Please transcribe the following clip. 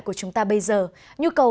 của chúng ta bây giờ nhu cầu